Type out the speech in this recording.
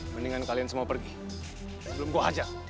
mendingan kalian semua pergi belum gue ajak